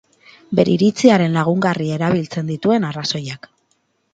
Bere iritziaren lagungarri erabiltzen dituen arrazoiak.